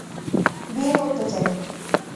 বিয়ে করতে চাই।